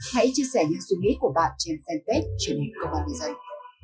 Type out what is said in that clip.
hãy chia sẻ những suy nghĩ của bạn trên fanpage trên công an địa danh